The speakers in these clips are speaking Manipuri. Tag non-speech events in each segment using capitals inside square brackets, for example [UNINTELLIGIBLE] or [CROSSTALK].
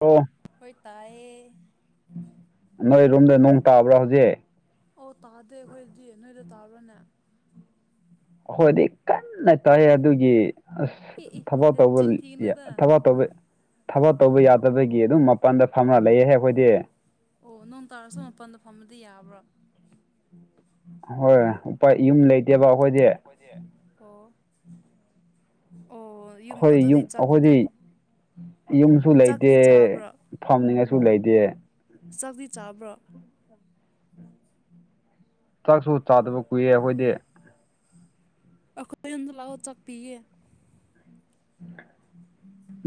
ꯑꯣ ꯍꯣꯏ ꯇꯥꯏꯑꯌꯦ ꯅꯣꯏ ꯔꯨꯝꯗ ꯅꯣꯡ ꯇꯥꯕ꯭ꯔꯥ ꯍꯧꯖꯤꯛ ꯑꯣꯧ ꯇꯥꯗꯦ ꯑꯩꯈꯣꯏꯗꯤ ꯅꯣꯏꯗ ꯇꯥꯕ꯭ꯔꯅꯦ ꯍꯣꯏꯗꯤ ꯀꯟꯅ ꯇꯧ ꯑꯗꯨꯒꯤ ꯑꯁ ꯑꯦ ꯑꯦ ꯊꯕꯛ ꯇꯧꯕ ꯅꯆꯤꯟ ꯊꯤꯒꯅꯨꯗ ꯊꯕꯛ ꯇꯧꯕ ꯊꯕꯛ ꯇꯧꯕ ꯌꯥꯗꯕꯒꯤ ꯑꯗꯨꯝ ꯃꯄꯥꯟꯗ ꯐꯝꯅ ꯂꯩꯌꯦꯍꯦ ꯑꯩꯈꯣꯏꯗꯤ ꯑꯣ ꯅꯣꯡ ꯇꯥꯔꯁꯨ ꯃꯥꯄꯜꯗ ꯐꯝꯕꯗꯤ ꯌꯥꯕ꯭ꯔꯣ ꯍꯣꯏꯣꯏ ꯎꯄꯥ ꯌꯨꯝ ꯂꯩꯇꯦꯕ ꯑꯩꯈꯣꯏꯁꯦ ꯑꯣ ꯑꯣ ꯑꯩꯈꯣꯏ ꯑꯗꯨꯗꯤ ꯌꯨꯝ ꯆꯥꯛ ꯑꯩꯈꯣꯏꯗꯤ ꯌꯨꯝꯁꯨ ꯂꯩꯇꯦ ꯆꯥꯛꯇꯤ ꯆꯥꯕ꯭ꯔꯣ ꯐꯝꯅꯤꯡꯉꯥꯏꯁꯨ ꯂꯩꯇꯦ ꯆꯥꯛꯤ ꯆꯥꯕ꯭ꯔꯣ ꯆꯥꯛꯁꯨ ꯆꯥꯗꯕ ꯀꯨꯏ ꯑꯩꯈꯣꯏꯗꯤ ꯑꯩꯈꯣꯏ ꯑꯗ ꯂꯥꯛꯑꯣ ꯆꯥꯛꯄꯤꯌꯦ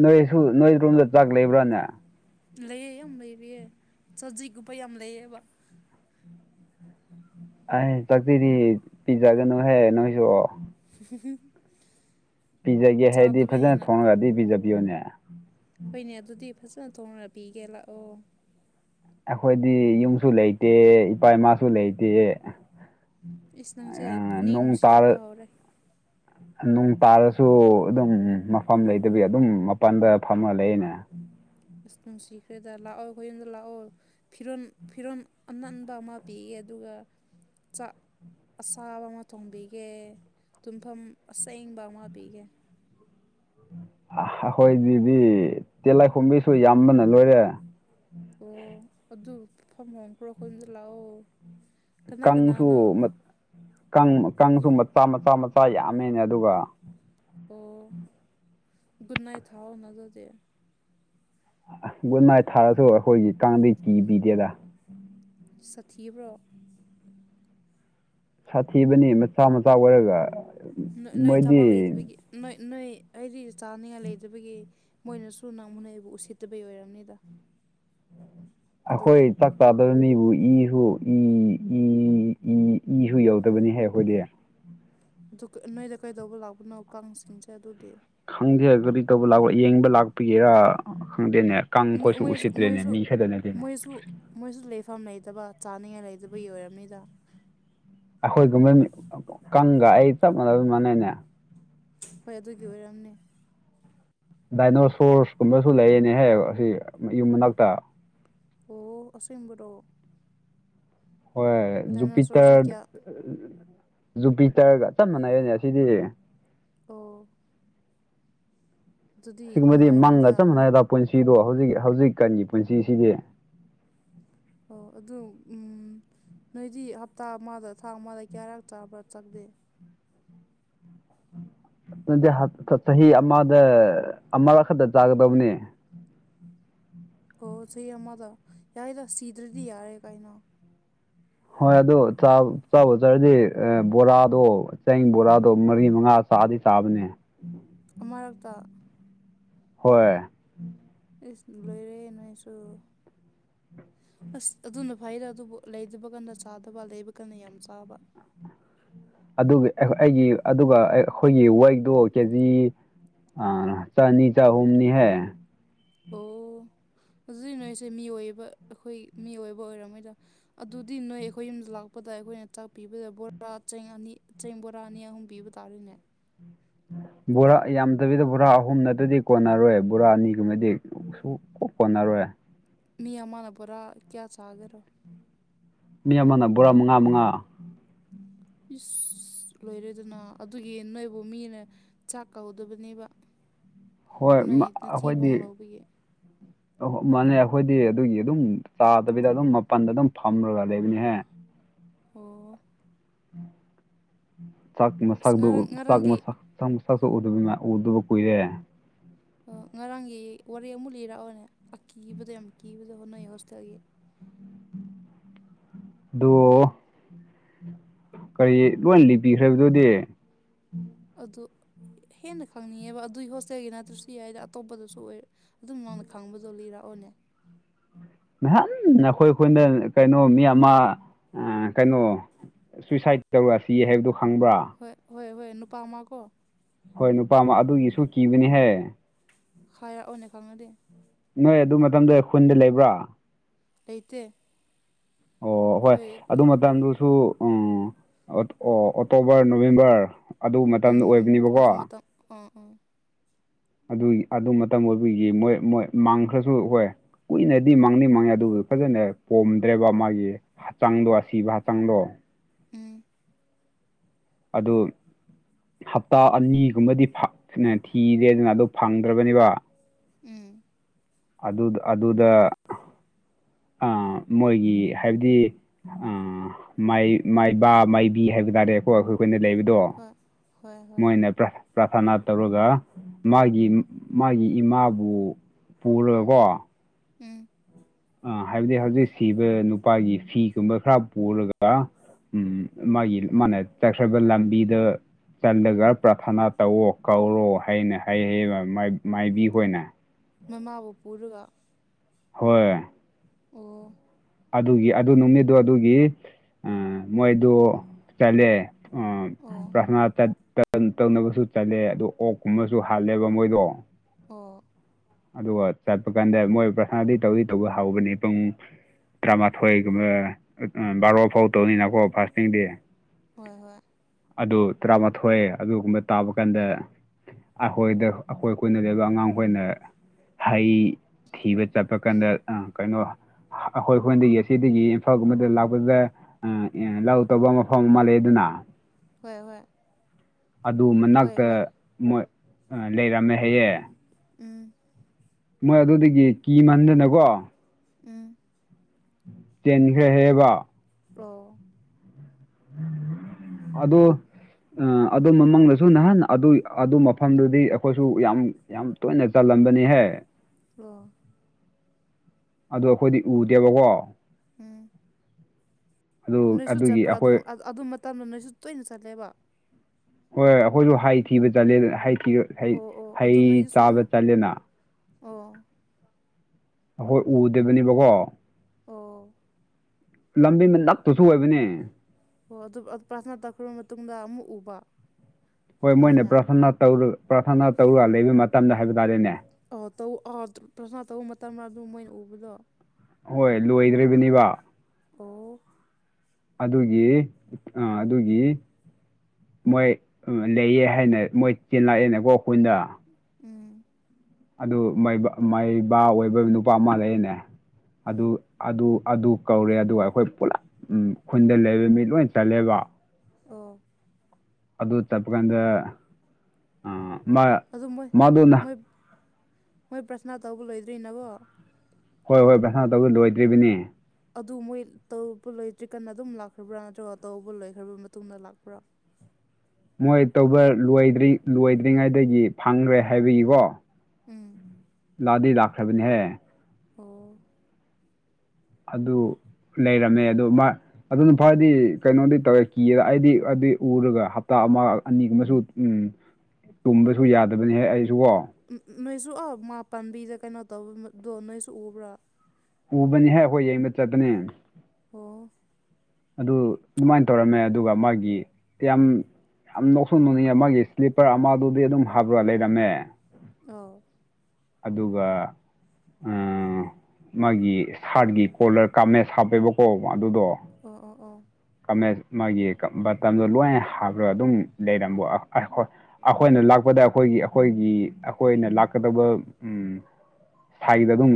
ꯅꯣꯏꯁꯨ ꯅꯣꯏꯔꯣꯝꯗ ꯆꯥꯛ ꯂꯩꯕ꯭ꯔꯥꯅꯦ ꯂꯩꯑ ꯌꯥꯝ ꯂꯩꯔꯤꯑꯦ ꯆꯖꯤꯛꯒꯨꯞꯄ ꯌꯥꯝ ꯂꯩꯑꯦꯕ ꯑꯩ ꯆꯥꯛꯆꯤꯗꯤ ꯄꯤꯖꯒꯅꯨꯍꯦ ꯅꯣꯏꯁꯨ [INAUDIBLE] ꯄꯤꯖꯒꯦ ꯍꯥꯏꯗꯤ ꯆꯥꯗꯕ ꯐꯖꯅ ꯍꯦꯟꯅ ꯊꯣꯡꯉꯒꯗꯤ ꯄꯤꯖꯕꯤꯌꯣꯅꯦ ꯍꯣꯏꯅꯦ ꯑꯗꯨꯗꯤ ꯐꯖꯅ ꯊꯣꯡꯅꯅ ꯄꯤꯒꯦ ꯂꯥꯛꯑꯣ ꯑꯩꯈꯣꯏꯗꯤ ꯌꯨꯝꯁꯨ ꯂꯩꯇꯦ ꯏꯄꯥ ꯏꯃꯥꯁꯨ ꯂꯩꯇꯦ ꯏꯁꯇꯁꯦ ꯄꯨꯛꯅꯤꯡ ꯅꯨꯡꯁꯤꯔꯛꯄ ꯍꯧꯔꯦ ꯅꯨꯡ ꯇꯥꯔꯁꯨ ꯑꯗꯨꯝ ꯃꯐꯝ ꯂꯩꯇꯕꯤ ꯑꯗꯨꯝ ꯃꯄꯥꯟꯗ ꯐꯝꯃ ꯂꯩꯅꯦ ꯑꯁ ꯅꯨꯡꯁꯤꯈ꯭ꯔꯦꯗ ꯂꯥꯛꯑꯣ ꯑꯩꯈꯣꯏ ꯌꯨꯝꯗ ꯂꯥꯛꯑꯣ ꯐꯤꯔꯣ ꯐꯤꯔꯣꯜ ꯑꯅꯟꯕ ꯑꯃ ꯄꯤꯌꯦ ꯑꯗꯨꯒ ꯆꯥꯛ ꯑꯁꯥꯕ ꯑꯃ ꯊꯣꯡꯕꯤꯒꯦ ꯇꯨꯝꯐꯝ ꯑꯁꯦꯡꯕ ꯑꯃ ꯄꯤꯒꯦ ꯑꯩꯈꯣꯏ ꯑꯗꯨꯗꯤ ꯇꯦꯂꯥꯏꯈꯨꯝꯕꯤꯁꯨ ꯌꯥꯝꯕꯅ ꯂꯣꯏꯔꯦ ꯑꯣ ꯑꯗꯨ ꯐꯝꯐꯝꯈ꯭ꯔꯣ ꯑꯩꯣꯏꯝꯗ ꯂꯥꯛꯑꯣ ꯀꯅꯥ ꯀꯅꯥꯅꯣ ꯀꯥꯡꯁꯨ ꯀꯥꯡ ꯀꯥꯡꯁꯨ ꯃꯆꯥ ꯃꯆꯥ ꯃꯆꯥ ꯌꯥꯝꯃꯦꯅꯦ ꯑꯗꯨꯒ ꯑꯣ ꯒꯨꯗ ꯅꯥꯏꯠ ꯊꯥꯎꯑꯣꯅꯖꯗꯤꯦ ꯒꯨꯗ ꯅꯥꯏꯠ ꯊꯥꯔꯁꯨ ꯑꯩꯈꯣꯏꯒꯤ ꯀꯥꯡꯗꯩ ꯀꯤꯕꯤꯗꯦꯗ ꯁꯥꯊꯤꯕ꯭ꯔꯣ ꯁꯥꯊꯤꯕꯅꯤ ꯃꯆꯥ ꯃꯆꯥ ꯑꯣꯏꯔꯒ ꯅ ꯅꯣꯏ ꯊꯕꯛ ꯃꯣꯏꯗꯤ ꯂꯩꯕꯒꯤ ꯅꯣꯏ ꯅꯣꯏ ꯑꯩꯗꯤ ꯆꯥꯅꯤꯡꯉꯥꯏ ꯂꯩꯗꯕꯒꯤ ꯃꯣꯏꯅꯁꯨ ꯅꯪꯉꯨꯅ ꯑꯩꯕꯨ ꯎꯁꯤꯠꯇꯕꯩ ꯑꯣꯏꯔꯕꯝꯅꯤꯗ ꯑꯩꯈꯣꯏ ꯆꯥꯛ ꯆꯥꯗꯕ ꯃꯤꯕꯨ ꯏꯁꯨ ꯏ ꯏ ꯏ ꯏꯁꯨ ꯌꯧꯗꯕꯅꯤ ꯍꯥꯏ ꯑꯩꯈꯣꯏꯗꯤ ꯑꯗꯨ ꯅꯣꯏꯗ ꯀꯩꯗꯧꯕ ꯂꯥꯛꯄꯅꯣ ꯀꯥꯡꯁꯤꯡꯁꯦ ꯑꯗꯨꯗꯤ ꯈꯪꯗꯦ ꯀꯔꯤ ꯇꯧꯕ ꯂꯥꯛꯄ ꯌꯦꯡꯕ ꯂꯥꯛꯄꯤꯒꯦꯔꯥ ꯈꯪꯗꯦꯅꯦ ꯀꯥꯡꯪ ꯈꯣꯠꯁꯨ ꯎꯁꯤꯠꯇ꯭ꯔꯦꯅꯦ ꯃꯤ ꯈꯛꯇ ꯅꯠꯇꯅꯦ ꯀꯁꯨꯕꯨ ꯃꯣꯏꯁꯨ ꯂꯩꯐꯝ ꯂꯩꯇꯕ ꯆꯥꯅꯤꯡꯉꯥꯏ ꯂꯩꯇꯕ ꯌ ꯑꯣꯏꯔꯕꯅꯤꯗ ꯑꯩꯈꯣꯏꯒꯨꯝꯕ ꯀꯪꯒ ꯑꯩ ꯆꯞ ꯃꯥꯟꯅꯕꯤ ꯃꯥꯟꯅꯩꯅꯦ ꯍꯣꯏ ꯑꯗꯨꯒꯤ ꯑꯣꯏꯔꯝꯅꯦ ꯗꯥꯏꯅꯣꯁꯣꯔꯁ ꯀꯨꯝꯕꯁꯨ ꯂꯩꯌꯦꯅꯦꯍꯦꯛ ꯑꯁꯤ ꯌꯨꯝ ꯃꯅꯥꯛꯇ ꯑꯣ ꯑꯁꯣꯏꯝꯕꯗꯣ ꯍꯣꯏ ꯗꯥꯏꯅꯣꯁꯣꯔꯁꯦ ꯖꯨꯄꯤꯇꯔ ꯀꯌꯥ ꯖꯨꯄꯤꯇꯔꯒ ꯆꯞ ꯃꯥꯟꯅꯩꯔꯅꯦ ꯑꯁꯤꯗꯤ ꯑꯣ ꯑꯗꯨꯗꯤ ꯑꯁꯤꯒꯨꯝꯕꯗꯤ ꯃꯪꯒ ꯅꯨꯡꯉꯥꯏꯅꯤꯗ ꯆꯞ ꯃꯣꯏ ꯃꯥꯟꯅꯩꯗ ꯄꯨꯟꯁꯤꯗꯣ ꯍꯧꯖꯤꯛ ꯍꯧꯖꯤꯛ ꯀꯟꯒꯤ ꯄꯨꯟꯁꯤꯁꯤꯗꯤ ꯑꯣ ꯑꯗꯨ ꯎ ꯅꯣꯏꯗꯤ ꯍꯞꯇꯥ ꯑꯃꯗ ꯊꯥ ꯑꯃꯗ ꯀꯌꯥꯔꯛ ꯆꯥꯕ꯭ꯔꯥ ꯆꯪꯗꯦ ꯅꯗꯤ ꯆꯍꯤ ꯑꯃꯗ ꯑꯃ ꯈꯛꯇ ꯆꯥꯒꯗꯕꯅꯦ ꯑꯣ ꯁꯤ ꯑꯃꯗ ꯌꯥꯏꯗ ꯁꯤꯗ꯭ꯔꯗꯤ ꯌꯥꯔꯦ ꯀꯥꯏꯅꯣ ꯍꯣꯏ ꯑꯗꯣ ꯆꯥꯕ ꯆꯥꯔꯗꯤ ꯕꯣꯔꯥꯗꯣ ꯆꯦꯡ ꯕꯣꯔꯥꯗꯣ ꯃꯔꯤ ꯃꯉꯥ ꯁꯥꯗꯤ ꯁꯥꯕꯅꯦ ꯑꯃꯛꯇ ꯍꯣꯏ ꯏꯁ ꯂꯣꯏꯔꯦ ꯅꯥꯏꯁꯨ ꯑꯁ ꯑꯗꯨꯅ ꯐꯩꯔꯦ ꯑꯗꯨꯕꯨ ꯂꯩꯗꯕ ꯀꯟꯅ ꯆꯥꯗꯕ ꯂꯩꯕ ꯀꯟꯅ ꯌꯥꯝ ꯆꯥꯕ ꯑꯩꯒꯤ ꯑꯗꯨꯒ ꯑꯩꯈꯣꯏꯒꯤ ꯋꯦꯛꯇꯣ ꯀꯦꯖꯤ ꯑ ꯆꯅꯤ ꯆꯆꯥ ꯎꯅꯤ ꯍ ꯑꯣ ꯍꯧꯖꯤꯛ ꯅꯣꯏꯁꯦ ꯃꯤꯑꯣꯏꯕ ꯑꯩꯈꯣꯏ ꯃꯤꯑꯣꯏꯕ ꯑꯣꯏꯔꯝꯃꯣꯏꯗ ꯑꯗꯨꯗꯤ ꯅꯣꯏ ꯑꯩꯈꯣꯏ ꯌꯨꯝꯗ ꯂꯥꯛꯄꯗ ꯑꯩꯈꯣꯏꯅ ꯆꯥꯛ ꯄꯤꯕꯗ ꯕꯣꯔꯥ ꯆꯦꯡ ꯑꯅꯤ ꯆꯦꯡ ꯕꯣꯔꯥ ꯑꯅꯤ ꯑꯍꯨꯝ ꯄꯤꯕ ꯇꯥꯔꯣꯏꯅꯦ ꯕꯣꯔꯥ ꯌꯥꯝꯗꯕꯤꯗ ꯕꯣꯔꯥ ꯑꯍꯨꯝ ꯅꯠꯇ꯭ꯔꯗꯤ ꯀꯣꯟꯅꯔꯣꯏ ꯕꯣꯔꯥ ꯑꯅꯤꯒꯨꯝꯕꯗꯤ ꯁ ꯀꯣꯛ ꯀꯣꯟꯅꯔꯣꯏꯦ ꯃꯤ ꯑꯃꯅ ꯄꯨꯔꯥ ꯀꯌꯥ ꯆꯥꯒ꯭ꯔꯣ ꯃꯤ ꯑꯃꯅ ꯕꯣꯔꯥ ꯃꯉꯥ ꯃꯉꯥ ꯏꯁ ꯂꯣꯏꯔꯦꯗꯅ ꯑꯗꯨꯒꯤ ꯅꯣꯏꯕꯨ ꯃꯤꯅ ꯆꯥꯛ ꯀꯧꯍꯧꯗꯕꯅꯦꯕ ꯍꯣꯏ ꯅꯣꯏ ꯅꯊꯤꯕꯣꯡ ꯂꯥꯎꯧꯕꯦ ꯑ ꯃꯥꯅꯦ ꯑꯩꯈꯣꯏꯗꯤ ꯑꯗꯨꯒꯤ ꯑꯗꯨꯝ ꯆꯥꯗꯕꯤꯗ ꯑꯗꯨꯝ ꯃꯄꯜꯗ ꯑꯗꯨꯝ ꯐꯝꯔꯒ ꯂꯩꯕꯅꯤꯍꯦ ꯍꯥꯥ ꯆꯥꯛꯃꯁꯥ ꯑꯁ ꯉꯔꯥꯡ ꯉꯔꯥꯡꯒꯤ ꯆꯥꯛꯃꯁꯥ ꯁ ꯎ ꯎꯗꯕ ꯀꯣꯏꯔꯦ ꯉꯔꯥꯡꯒꯤ ꯋꯥꯔꯤ ꯑꯃꯨꯛ ꯂꯤꯔꯛꯑꯣꯅꯦ ꯑꯀꯤꯕꯗ ꯌꯥꯝ ꯀꯤꯕꯗ ꯍꯣꯠꯅꯩ ꯍꯣꯁꯇꯦꯜꯒꯤ ꯑꯗꯣ ꯀꯔꯤ ꯂꯣꯏ ꯂꯤꯄꯤꯈ꯭ꯔꯕꯗꯨꯗꯤ ꯑꯗꯨ ꯍꯦꯟꯅ ꯈꯪꯅꯤꯡꯉꯦꯕ ꯑꯗꯨꯏ ꯍꯣꯁꯇꯦꯜꯒꯤ ꯅꯠꯇ꯭ꯔꯁꯨ ꯌꯥꯏꯗ ꯑꯇꯣꯞꯄꯗꯁꯨ ꯑꯣꯏ ꯑꯗꯨꯝ ꯉꯅ ꯈꯪꯕꯗꯣ ꯂꯤꯔꯛꯑꯣꯅꯦ ꯃꯍꯥꯟ ꯑꯩꯈꯣꯏ ꯑꯩꯈꯣꯏꯅ ꯀꯩꯅꯣ ꯃꯤ ꯑꯃ ꯀꯩꯅꯣ ꯁꯨꯏꯁꯥꯏꯠ ꯇꯧꯔꯛꯑꯁꯤ ꯍꯥꯏꯕꯗꯨꯣ ꯈꯪꯕ꯭ꯔꯥ ꯍꯣꯏ ꯍꯣꯏ ꯍꯣꯏ ꯅꯨꯄꯥ ꯑꯃꯀꯣ ꯍꯣꯏ ꯅꯨꯄꯥ ꯑꯗꯨꯒꯤꯁꯨ ꯀꯤꯕꯅꯤꯍꯦ ꯍꯌꯥ ꯑꯣꯅꯦꯀꯉꯗꯤꯦ ꯅꯣꯏ ꯑꯗꯨ ꯃꯇꯝꯗꯨ ꯈꯨꯟꯗ ꯂꯩꯕ꯭ꯔꯥ ꯑꯇ ꯑꯣ ꯍꯣꯏ ꯑꯗꯨ ꯃꯇꯝꯗꯨꯁꯨ ꯑꯣ ꯑꯣ ꯑꯣꯛꯇꯣꯕꯔ ꯅꯣꯕꯦꯝꯕꯔ ꯑꯗꯨ ꯃꯇꯝꯗ ꯎꯝ ꯎꯝ ꯑꯣꯏꯕꯅꯦꯕꯀꯣ ꯑꯗꯨ ꯃꯇꯝ ꯑꯥ ꯑꯥ ꯑꯗꯨꯒꯤ ꯑꯗꯨ ꯃꯇꯝ ꯑꯣꯏꯕꯒꯤ ꯃꯣꯏ ꯃꯣꯏ ꯃꯥꯡꯈ꯭ꯔꯁꯨ ꯍꯣꯏ ꯀꯨꯏꯅꯗꯤ ꯃꯥꯡꯅꯤ ꯃꯪꯉ ꯑꯗꯨꯕꯨ ꯐꯖꯅ ꯄꯣꯝꯗ꯭ꯔꯦꯕ ꯃꯥꯒꯤ ꯍꯛꯆꯥꯡꯗꯣ ꯑꯁꯤꯕ ꯍꯛꯆꯥꯡꯗꯣ ꯎꯝ ꯑꯗꯨ ꯍꯞꯇꯥ ꯑꯅꯤꯒꯨꯝꯕꯗꯤ ꯊꯤꯔꯦꯗꯅ ꯑꯗꯨ ꯐꯪꯗ꯭ꯔꯕꯅꯦꯕ ꯎꯝ ꯑꯗꯨꯗ ꯑꯗꯨ ꯑꯗꯨꯗ ꯃꯣꯏꯒꯤ ꯍꯥꯏꯕꯗꯤ ꯑꯥ ꯃꯥꯏ ꯃꯥꯏꯕ ꯃꯥꯏꯕꯤ ꯍꯥꯏꯕ ꯇꯥꯔꯦꯀꯣ ꯑꯩꯈꯣꯏꯈꯣꯏꯅ ꯂꯩꯕꯗ ꯑꯗꯣ ꯍꯣꯏ ꯍꯣꯏ ꯍꯣꯏ ꯃꯣꯏꯅ ꯄ꯭ꯔꯥ ꯄ꯭ꯔꯥꯊꯅꯥ ꯇꯧꯔꯒ ꯃꯥꯒꯤ ꯃꯥꯒꯤ ꯏꯃꯥꯕꯨ ꯄꯨꯔꯒꯀꯣ ꯎꯝ ꯑ ꯍꯥꯏꯕꯗꯤ ꯍꯧꯖꯤꯛ ꯁꯤꯕ ꯅꯨꯄꯥꯒꯤ ꯐꯤꯒꯨꯝꯕ ꯈꯔ ꯄꯨꯔꯒ ꯎꯝ ꯃꯥꯒꯤ ꯃꯥꯅ ꯆꯠꯈ꯭ꯔꯕ ꯂꯝꯕꯤꯗ ꯆꯜꯂꯒ ꯄ꯭ꯔꯊꯅꯥ ꯇꯧꯋꯣ ꯀꯧꯔꯣ ꯍꯩꯅ ꯍꯩꯩ ꯃꯥꯏꯕꯤꯈꯣꯏꯅ ꯃꯃꯥꯕꯨ ꯄꯨꯔꯒ ꯍꯣꯏ ꯑꯣ ꯑꯗꯨꯒꯤ ꯑꯗꯨ ꯅꯨꯃꯤꯠꯇꯣ ꯑꯗꯨꯒꯤ ꯃꯣꯏꯗꯨ ꯆꯠꯂꯦ ꯑ ꯑꯣ ꯄꯁꯅ ꯇꯧꯅꯕꯁꯨ ꯆꯠꯂꯦ ꯑꯗꯨ ꯑꯣꯛꯀꯨꯝꯕꯁꯨ ꯍꯥꯜꯂꯦꯕ ꯃꯣꯏꯗꯣ ꯑꯣ ꯑꯗꯨꯒ ꯆꯠꯄ ꯀꯥꯟꯗ ꯃꯣꯏ ꯄ꯭ꯔꯁꯅꯥꯗꯤ ꯇꯧꯗꯤ ꯇꯧꯕ ꯍꯥꯎꯕꯅꯦ ꯄꯨꯡ ꯇꯔꯥꯃꯥꯊꯣꯏꯒꯨꯝꯕ ꯕꯥꯔꯣ ꯐꯥꯎ ꯇꯧꯅꯤꯅꯀꯣ ꯐꯥꯁꯇꯤꯡꯗꯤ ꯍꯣꯏ ꯍꯣꯏ ꯑꯗꯨ ꯇꯔꯥꯃꯥꯊꯣꯏ ꯑꯗꯨꯒꯨꯝꯕ ꯇꯥꯕ ꯀꯥꯟꯗ ꯑꯩꯈꯣꯏꯗ ꯑꯩꯈꯣꯏ ꯀꯣꯏꯅ ꯂꯩꯕ ꯑꯉꯥꯡꯈꯣꯏꯏꯅ ꯍꯩ ꯊꯤꯕ ꯆꯠꯄ ꯀꯥꯟꯗ ꯎꯝ ꯀꯩꯅꯣ ꯑꯩꯈꯣꯏ ꯍꯣꯏꯅꯗꯒꯤ ꯑꯁꯤꯗꯒꯤ ꯏꯝꯐꯥꯜꯒꯨꯝꯕꯗ ꯂꯥꯛꯄꯁꯦ ꯎ ꯂꯧ ꯇꯧꯕ ꯃꯐꯝ ꯑꯃ ꯂꯩ ꯑꯗꯨꯅ ꯍꯣꯏ ꯍꯣꯏ ꯑꯗꯨ ꯍꯣꯏ ꯃꯅꯥꯛꯇ ꯍꯣꯏ ꯃꯣꯏ ꯂꯩꯔꯝꯃꯦ ꯍꯌꯦꯦ ꯎꯝ ꯃꯣꯏ ꯑꯗꯨꯗꯒꯤ ꯀꯤ ꯃꯟꯗꯅꯀꯣ ꯎꯝ ꯆꯦꯟꯈ꯭ꯔꯍꯦꯕ ꯄꯣ [INAUDIBLE] ꯑꯗ ꯎ ꯑꯗꯨ ꯃꯃꯥꯡꯗꯁꯨ ꯅꯍꯥꯟ ꯑꯗꯨ ꯑꯗꯨ ꯃꯐꯝꯗꯨꯗꯤ ꯑꯩꯈꯣꯏꯁꯨ ꯌꯥꯝ ꯌꯥꯝ ꯇꯣꯏꯅ ꯆꯜꯂꯝꯕꯅꯤꯍꯦ ꯑꯣ ꯑꯗꯨꯗ ꯑꯩꯈꯣꯏꯗꯤ ꯎꯗꯦꯕꯀꯣ ꯎꯝ ꯑꯗꯨ ꯅꯣꯏꯁꯨ ꯑꯗꯨꯒꯤ ꯆꯠꯄ꯭ꯔꯣ ꯑꯗꯨꯝ ꯑꯩꯈꯣꯏ ꯑꯗꯨ ꯃꯇꯝꯗ ꯅꯣꯏꯁꯨ ꯇꯣꯏꯅ ꯆꯠꯂꯦꯕ ꯍꯣꯏ ꯍꯣꯏ ꯑꯩꯈꯣꯏꯁꯨ ꯍꯩ ꯊꯤꯕꯂꯦ ꯑꯣ ꯑꯣ ꯑꯗꯨ ꯍꯩ ꯅꯣꯏꯁꯨ ꯆꯥꯕ ꯆꯠꯂꯦꯅ ꯑꯣ ꯑꯩꯈꯣꯏ ꯎꯗꯕꯅꯦꯕꯀꯣ ꯑꯣ ꯂꯝꯕꯤ ꯑꯃ ꯅꯞꯇꯁꯨ ꯑꯣꯏꯕꯅꯦ ꯑꯣ ꯑꯗꯨ ꯄ꯭ꯔꯔꯊꯅ ꯇꯛꯈ꯭ꯔꯕ ꯃꯇꯨꯡꯗ ꯑꯃꯨꯛ ꯎꯕ ꯍꯣꯏ ꯃꯣꯏꯅ ꯄ꯭ꯔꯊ ꯇꯧꯔ ꯄ꯭ꯔꯥꯊꯅꯥ ꯇꯧꯔꯒ ꯂꯩꯕ ꯃꯇꯝꯗ ꯍꯥꯏꯕ ꯇꯥꯔꯦꯅꯦ ꯑꯧ ꯇꯧ ꯑ ꯄ꯭ꯔꯁꯅꯥ ꯇꯧꯕ ꯃꯇꯝꯗ ꯑꯗꯨꯝ ꯃꯣꯏꯅ ꯎꯕꯗꯣ ꯍꯍꯣꯏ ꯂꯣꯏꯗ꯭ꯔꯤꯕꯅꯤꯕ ꯑꯣ ꯑꯗꯨꯒꯤ ꯑ ꯑꯗꯨꯒꯤ ꯃꯣꯏ ꯂꯩꯑ ꯍꯥꯏꯅ ꯃꯣꯏ ꯆꯦꯜꯂꯛꯑꯦꯅꯀꯣ ꯑꯩꯈꯨꯟꯗ ꯎꯝ ꯑꯗꯨ ꯃꯥꯏꯕ ꯑꯣꯏꯕ ꯅꯨꯄꯥ ꯑꯃ ꯂꯩꯅꯦ ꯑꯗꯨ ꯎꯝ ꯑꯗꯨ ꯑꯗꯨ ꯀꯧꯔꯦ ꯑꯗꯨꯒ ꯑꯩꯈꯣꯏ ꯄꯨꯂꯞ ꯈꯨꯟꯗ ꯂꯩꯕ ꯃꯤ ꯂꯣꯏ ꯇꯜꯂꯦꯕ ꯑꯣ ꯑꯗꯨ ꯇꯞꯄ ꯀꯥꯟꯗ ꯑꯥ ꯃꯥ ꯑꯗꯨ ꯃꯣꯏ ꯃꯥꯗꯨꯅ ꯃꯣꯏ ꯃꯣꯏ ꯄ꯭ꯔꯁꯅꯥ ꯇꯧꯕ ꯂꯣꯏꯗ꯭ꯔꯤꯅꯦꯕꯣ ꯍꯣꯏ ꯍꯣꯏ ꯕꯩꯁꯥꯅ ꯇꯧꯗ ꯂꯣꯏꯗ꯭ꯔꯤꯕꯅꯤ ꯑꯗꯨ ꯃꯣꯏ ꯇꯧꯕ ꯂꯣꯏ ꯇ꯭ꯔꯤꯛꯀꯟ ꯑꯗꯨꯝ ꯂꯥꯛꯈ꯭ꯔꯕ꯭ꯔꯥ ꯅꯠꯇ꯭ꯔꯒ ꯇꯧꯕ ꯂꯣꯏꯈ꯭ꯔꯕ ꯃꯇꯨꯡꯗ ꯂꯥꯛꯄ꯭ꯔꯥ ꯃꯣꯏ ꯇꯧꯕ ꯂ ꯂꯣꯏꯗ꯭ꯔꯤꯉꯩꯗꯒꯤ ꯐꯪꯈ꯭ꯔꯦ ꯍꯥꯏꯕꯒꯤꯀꯣ ꯎꯝ ꯂꯥꯛꯑꯗꯤ ꯂꯥꯛꯈ꯭ꯔꯕꯅꯤꯍꯦ ꯑ‌ꯣ ꯑꯗꯨ ꯂꯩꯔꯝꯃꯦ ꯑꯗꯨ ꯃꯥ ꯑꯗꯨꯅ ꯐꯔꯗꯤ ꯀꯩꯅꯣꯗꯤ ꯇꯧꯔꯦ ꯀꯤꯌꯦ ꯑꯩꯗꯤ ꯑꯗꯨꯏ ꯎꯔꯒ ꯍꯞꯇꯥ ꯑꯃ ꯑꯅꯤꯒꯨꯝꯕꯁꯨ ꯎꯝ ꯇꯨꯝꯕꯁꯨ ꯌꯥꯗꯕꯅꯤꯍ ꯑꯩꯁꯨ ꯀꯣ ꯎ ꯅꯣꯏꯁꯨ ꯑꯧ ꯃꯥ ꯄꯥꯟꯕꯤꯗ ꯀꯩꯅꯣ ꯇꯧꯕꯗꯣ ꯅꯣꯏꯁꯨ ꯎꯕ꯭ꯔꯥ ꯎꯕꯅꯤꯍ ꯑꯩꯈꯣꯏ ꯌꯦꯡꯕ ꯆꯠꯄꯅ‍ꯦ ꯑꯣ ꯑꯗꯨ ꯑꯗꯨꯃꯥꯏꯅ ꯇꯧꯔꯝꯃꯦ ꯑꯗꯨꯒ ꯃꯥꯒꯤ ꯌꯥꯝ ꯌꯥꯝ ꯅꯣꯛꯁꯨꯣꯟ ꯅꯣꯡꯅꯤꯡꯉꯦ ꯃꯥꯒꯤ ꯏꯁ꯭ꯂꯤꯞꯄꯔ ꯑꯃꯗꯨꯗꯤ ꯑꯗꯨꯝ ꯍꯥꯞꯕ꯭ꯔꯥ ꯂꯩꯔꯝꯃꯦ ꯑꯥꯎ ꯑꯗꯨꯒ ꯃꯥꯒꯤ ꯁꯥꯔꯠꯀꯤ ꯀꯣꯂꯔ ꯀꯥꯞꯃꯦ ꯍꯥꯞꯄꯦꯕꯀꯣ ꯑꯗꯨꯗꯣ ꯑꯣ ꯑꯣ ꯑꯣ ꯃꯥꯒꯤ ꯕꯇꯟꯗꯣ ꯂꯣꯏꯅ ꯍꯥꯞꯄꯒ ꯑꯗꯨꯝ ꯂꯩꯔꯝꯕꯣ ꯍꯣꯏ ꯑꯩꯈꯣꯏꯅ ꯂꯥꯛꯄꯗ ꯑꯩꯈꯣꯏꯒꯤ ꯑꯩꯈꯣꯏꯒꯤ ꯑꯩꯈꯣꯏꯅ ꯂꯥꯛꯀꯗꯕ ꯎꯝ ꯁ꯭ꯋꯥꯒꯤꯗ ꯑꯗꯨꯝ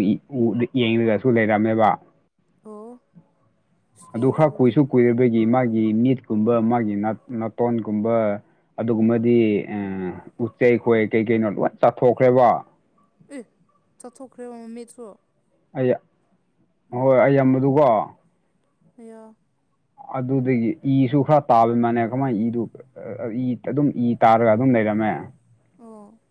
ꯌꯦꯡꯉꯒꯁꯨ ꯂꯩꯔꯝꯃꯦꯕ ꯑꯣ ꯑꯁ ꯑꯗ ꯀꯤꯌꯦ ꯈꯔ ꯑꯗꯨꯗꯤ ꯀꯣꯏꯁꯨ ꯒꯤ ꯃꯥꯒꯤ ꯃꯤꯠꯀꯨꯝꯕ ꯃꯥꯒꯤ ꯅꯥꯇꯣꯟꯒꯨꯝꯕ ꯑꯗꯨꯒꯨꯝꯕꯗꯤ ꯎꯆꯆꯩ ꯈꯣꯏ ꯀꯩ ꯀꯩꯅꯣ ꯂꯣꯏ ꯆꯥꯊꯣꯛꯈ꯭ꯔꯦꯕ ꯑꯦ ꯆꯠꯊꯣꯛꯈ꯭ꯔꯦꯕ ꯃꯃꯤꯠꯁꯨ ꯑꯩ ꯌꯥ ꯍꯍꯣꯏ ꯑꯩꯌꯥꯝꯕꯗꯨꯀꯣ ꯍꯌ [UNINTELLIGIBLE] ꯑꯗꯨꯗꯒꯤ ꯏꯁꯨ ꯈꯔ ꯇꯥꯕ ꯃꯥꯟꯅꯦ ꯀꯃꯥꯏꯅ ꯏꯗꯨꯕꯥ ꯏ ꯑꯗꯨꯝ ꯏ ꯇꯥꯔꯒ ꯑꯗꯨꯝ ꯂꯩꯔꯝꯃꯦ ꯑꯣ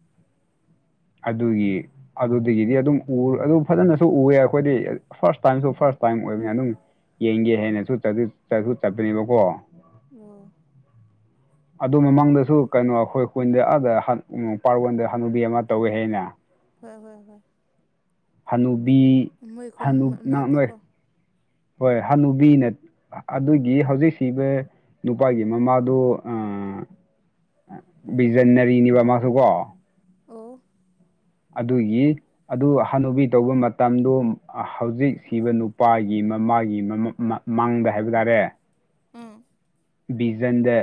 ꯑꯗꯨꯒꯤ ꯑꯗꯨꯗꯒꯤꯗꯤ ꯑꯗꯨꯝ ꯎ ꯑꯗꯨ ꯐꯖꯅꯁꯨ ꯎꯑꯦ ꯑꯩꯈꯣꯏꯗꯤ ꯐꯥꯔꯁ ꯇꯥꯏꯝꯁꯨ ꯐꯥꯔꯁ ꯇꯥꯏꯝ ꯑꯣꯏꯕꯅꯤ ꯑꯗꯨꯝ ꯌꯦꯡꯒꯦ ꯍꯥꯏꯅꯁꯨ ꯆꯠꯁꯨ ꯆꯠꯄꯅꯦꯕꯀꯣ ꯑꯣ ꯑꯗꯨ ꯃꯃꯥꯡꯗꯁꯨ ꯀꯩꯅꯣ ꯑꯩꯈꯣꯏ ꯀꯨꯟꯗ ꯑꯗ ꯄꯥꯔꯠ ꯋꯥꯟꯗ ꯍꯅꯨꯗꯤ ꯑꯃ ꯇꯧꯋꯦ ꯍꯥꯏꯅ ꯍꯣꯏ ꯍꯣꯏ ꯍꯣꯏ ꯍꯅꯨꯕꯤ ꯃꯣꯏ ꯈꯨꯟ ꯃꯅꯥꯛꯇ ꯅꯣꯏ ꯀꯣ ꯍꯣꯏ ꯍꯅꯨꯕꯤ ꯅ ꯑꯗꯨꯒꯤ ꯍꯧꯖꯤꯛꯁꯤꯕ ꯅꯨꯄꯥꯒꯤ ꯃꯃꯥꯗꯨ ꯑ ꯕꯤꯖꯟꯅꯔꯤꯅꯤꯕ ꯃꯥꯁꯨ ꯀꯣ ꯑꯣ ꯑꯗꯨꯒꯤ ꯑꯗꯨ ꯍꯥꯟꯅꯨꯕꯤ ꯇꯧꯕ ꯃꯇꯝꯗ ꯍꯧꯖꯤꯛ ꯁꯤꯕ ꯅꯨꯄꯥꯒꯤ ꯃꯃꯥꯒꯤ ꯃ ꯃꯥ ꯃꯥꯡꯗ ꯍꯥꯏꯕ ꯇꯥꯔꯦ ꯎꯝ ꯕꯤꯖꯟꯗ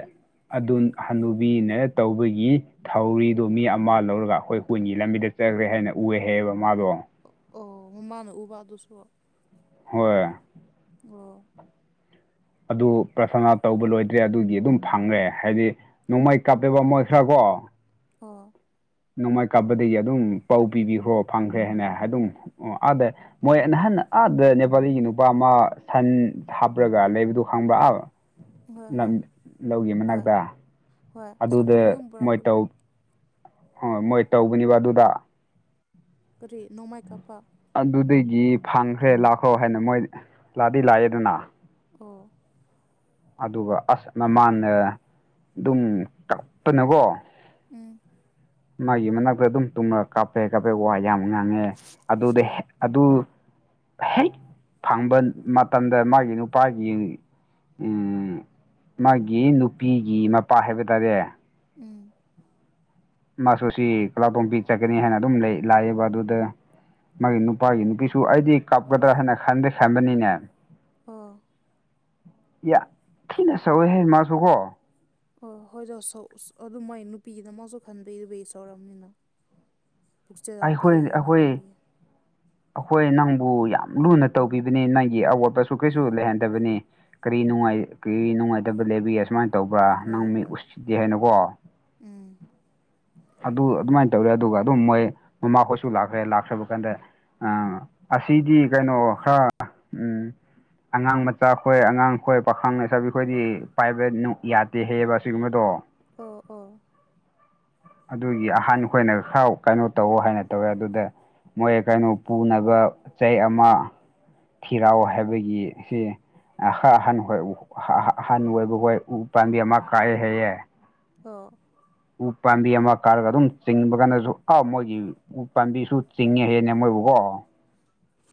ꯑꯗꯨ ꯍꯅꯨꯕꯤꯅ ꯇꯧꯕꯒꯤ ꯊꯧꯔꯤꯗꯨ ꯃꯤ ꯑꯃ ꯂꯧꯔꯒ ꯑꯩꯈꯣꯏ ꯍꯣꯏꯟꯒꯤ ꯂꯝꯕꯤꯗ ꯆꯈ꯭ꯔꯦ ꯍꯥꯏꯅ ꯎꯑ ꯍꯥꯏꯌꯦꯕ ꯃꯥꯗꯣ ꯑꯣ ꯃꯃꯥꯅ ꯎꯕ ꯑꯗꯨꯁꯨ ꯍꯣꯏ ꯑꯣ ꯑꯗꯨ ꯄ꯭ꯔꯊꯅꯥ ꯇꯧꯕ ꯂꯣꯏꯗ꯭ꯔꯦ ꯑꯗꯨꯒꯤ ꯑꯗꯨꯝ ꯐꯪꯈ꯭ꯔꯦ ꯍꯥꯏꯗꯤ ꯅꯣꯡꯃꯩ ꯀꯥꯞꯄ‍ꯦꯕ ꯃꯣꯏ ꯈꯔꯀꯣ ꯑꯣꯥ ꯅꯣꯡꯃꯥꯏ ꯀꯥꯞꯄꯗꯒꯤ ꯑꯗꯨꯝ ꯄꯥꯎ ꯄꯤꯕꯤꯈ꯭ꯔꯣ ꯐꯪꯈ꯭ꯔꯦ ꯍꯥꯏꯅ ꯑꯗꯨꯝ ꯑꯣ ꯑꯥꯗ ꯃꯣꯏ ꯅꯍꯥꯟ ꯑꯥꯗ ꯅꯦꯄꯥꯂꯤꯒꯤ ꯅꯨꯄꯥ ꯑꯃ ꯁꯟ ꯍꯥꯞꯄ꯭ꯔꯒ ꯂꯩꯕꯗꯨ ꯈꯪꯕ꯭ꯔꯕ ꯍꯣꯏ ꯂꯝ ꯍꯣꯏ ꯂꯧꯒꯤ ꯍꯣꯏ ꯃꯅꯥꯛꯇ ꯍꯣꯏ ꯑꯗꯨꯗ ꯁꯪꯒꯣꯝ ꯑꯗꯨꯝ ꯃꯣꯏ ꯄꯨꯔꯛꯄꯗꯣ ꯇꯧ ꯍꯣꯏ ꯃꯣꯏ ꯇꯧꯕꯅꯤꯕ ꯑꯗꯨꯗ ꯀꯔꯤ ꯅꯣꯡꯃꯥꯏ ꯀꯥꯞꯄ ꯑꯗꯨꯗꯒꯤ ꯐꯪꯈ꯭ꯔꯦ ꯂꯥꯛꯈ꯭ꯔꯣ ꯍꯥꯏꯅ ꯃꯣꯏ ꯂꯥꯛꯗꯤ ꯂꯥꯛꯑꯦꯗꯅ ꯑꯣ ꯑꯗꯨꯒ ꯑꯁ ꯃꯃꯥꯟꯅ ꯑꯗꯨꯝ ꯀꯄꯅꯀꯣ ꯎꯝ ꯃꯥꯒꯤ ꯃꯅꯥꯛꯇ ꯑꯗꯨꯝ ꯇꯨꯝꯉ ꯀꯥꯞꯄꯦ ꯀꯥꯞꯄꯦ ꯋꯥ ꯌꯥꯝ ꯉꯥꯡꯉꯦ ꯑꯗꯨꯗ ꯑꯣ ꯍ‍ꯦꯛ ꯑꯗꯨ ꯍꯦꯛ ꯐꯪꯕ ꯃꯇꯝꯗ ꯃꯥꯒꯤ ꯅꯨꯄꯥꯒꯤ ꯃꯥꯒꯤ ꯅꯨꯄꯤꯒꯤ ꯃꯄꯥ ꯍꯥꯏꯕ ꯇꯥꯔꯦ ꯎꯝ ꯃꯥꯁꯨ ꯁꯤ ꯀꯂꯥꯇꯣꯝꯕꯤ ꯆꯠꯀꯅꯤ ꯍꯥꯏꯅ ꯑꯗꯨꯝ ꯂꯥꯛꯑꯌꯦꯕ ꯑꯗꯨꯗ ꯃꯥꯒꯤ ꯅꯨꯄꯥꯒꯤ ꯅꯨꯄꯤꯁꯨ ꯑꯩꯗꯤ ꯀꯥꯞꯒꯗ꯭ꯔꯥ ꯍꯥꯏꯅ ꯈꯟꯗꯤ ꯈꯟꯕꯅꯤꯅꯦ ꯑ‍ꯣ ꯌꯥ ꯊꯤꯅ ꯁꯧꯋꯦ ꯍꯥꯏ ꯃꯥꯁꯨ ꯀꯣ ꯑꯣ ꯍꯣꯏꯗ ꯑꯗꯨ ꯃꯥꯏ ꯅꯨꯄꯤꯒꯤꯅ ꯃꯥꯁꯨ ꯈꯟꯕꯤ ꯑꯗꯨꯕ ꯁꯧꯔꯝꯅꯤꯅ ꯄꯨꯛꯆꯦꯜ ꯑꯃ ꯑꯩꯈꯣꯏ ꯄꯤꯛꯑꯦ ꯍꯥꯏꯅ ꯑꯩꯈꯣꯏ ꯈꯟꯕꯤꯌꯦ ꯑꯩꯈꯣꯏ ꯅꯪꯕꯨ ꯌꯥꯝ ꯂꯨꯅ ꯇꯧꯕꯤꯕꯅꯤ ꯅꯪꯒꯤ ꯑꯋꯥꯠꯄꯁꯨ ꯀꯩꯁꯨ ꯂꯩꯍꯟꯗꯕꯅꯤ ꯀꯔꯤꯅꯅꯨꯡꯉꯥꯏ ꯀꯔꯤꯅꯅꯨꯡꯉꯥꯏꯇꯕ ꯂꯩꯦꯕꯤ ꯑꯁꯃ ꯇꯧꯕ꯭ꯔꯥ ꯅꯪ ꯍꯣꯏ ꯃꯤ ꯍꯣꯏ ꯎꯠꯁꯤꯗꯦ ꯍꯥꯏꯅꯀꯣ ꯎꯝ ꯑꯗꯨ ꯑꯗꯨꯃꯥꯏꯅ ꯇꯧꯔꯦ ꯑꯗꯨꯒ ꯑꯗꯨꯝ ꯃꯣꯏ ꯃꯃꯥꯈꯣꯏꯁꯨ ꯂꯥꯛꯈ꯭ꯔꯦ ꯂꯥꯛꯈ꯭ꯔꯕ ꯀꯥꯟꯗ ꯑꯝ ꯑꯁꯤꯗꯤ ꯀꯩꯅꯣ ꯈꯔ ꯎꯝ ꯑꯉꯥꯡ ꯃꯆꯥ ꯈꯣꯏ ꯑꯉꯥꯡ ꯈꯣꯏ ꯄꯥꯈꯪ ꯂꯩꯁꯥꯕꯤꯈꯣꯏꯗꯤ ꯄꯥꯏꯕ ꯌꯥꯗꯦ ꯍꯩꯌꯦꯕ ꯑꯁꯤꯒꯨꯝꯕꯗꯣ ꯑꯣ ꯑꯣ ꯑꯗꯨꯒꯤ ꯑꯍꯥꯟ ꯈꯈꯣꯏꯅ ꯈꯔ ꯀꯩꯅꯣ ꯇꯧꯋ ꯍꯥꯏꯅ ꯇꯧꯋꯦ ꯑꯗꯨꯗ ꯃꯣꯏ ꯀꯩꯅꯣ ꯄꯨꯅꯕ ꯆꯩ ꯑꯃ ꯊꯤꯔꯥꯎ ꯍꯥꯏꯕꯒꯤ ꯁꯤ ꯑꯍꯟ ꯍꯍꯟ ꯑꯣꯏꯕ ꯍꯣꯏ ꯎ ꯄꯥꯝꯕꯤ ꯑꯃ ꯀꯥꯏꯑꯦ ꯍꯦꯛꯑꯦ ꯑꯥ ꯎ ꯄꯥꯝꯕꯤ ꯑꯃ ꯀꯥꯔꯒ ꯑꯗꯨꯝ ꯆꯤꯡꯕ ꯀꯥꯟꯗꯁꯨ ꯑꯥꯎ ꯃꯣꯏꯒꯤ ꯎꯄꯥꯥꯝꯕꯤꯁꯨ ꯆꯤꯡꯉꯦ ꯍꯦꯅꯦ ꯃꯣꯏꯕꯨꯀꯣ